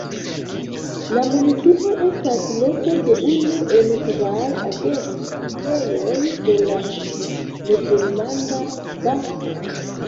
La municipo estas loko de unu el kvar agentejoj de La Nederlanda Banko.